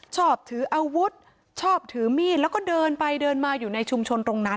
ชอบถืออาวุธชอบถือมีดแล้วก็เดินไปเดินมาอยู่ในชุมชนตรงนั้น